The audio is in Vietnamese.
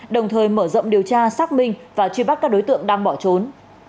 đồng thời mở rộng điều tra xác minh và truy bắt các đối tượng đang bỏ trốn